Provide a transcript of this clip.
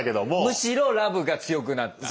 むしろラブが強くなった？